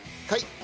はい。